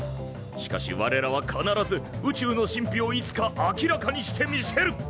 しかし我らは必ず宇宙の神秘をいつか明らかにしてみせる！